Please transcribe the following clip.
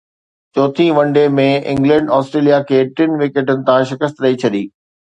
چوٿين one day ۾ England Australia کي ٽن وڪيٽن تان شڪست ڏئي ڇڏي